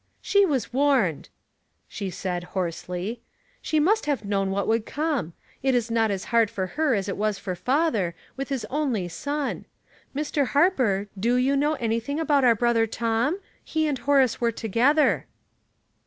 "She was warned," she said, hoarsely. *' She must have known what would come. It is not as hard for her as it is for father, with his only son. Mr. Harper, do you know anything about our brother Tom ? He and Horace were to gether."